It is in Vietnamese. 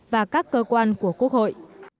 và các cơ quan của quốc hội